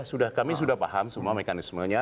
sudah kami sudah paham semua mekanismenya